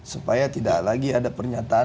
supaya tidak lagi ada pernyataan